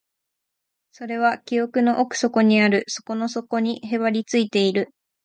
それは記憶の奥底にある、底の底にへばりついている